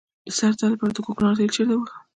د سر درد لپاره د کوکنارو تېل چیرته ووهم؟